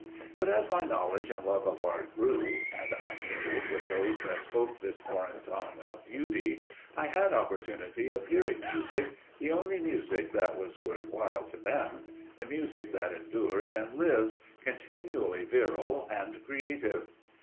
But as my knowledge and love of art grew, and I mingled with those that spoke this foreign tongue of beauty, I had opportunity of hearing music, the only music that was worth while to them, the music that endures and lives, continually virile and creative.